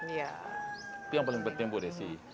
itu yang paling penting bu desi